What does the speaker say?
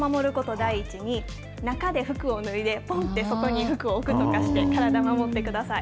第一に、中で服を脱いで、ぽんて外に置くとかして、体守ってください。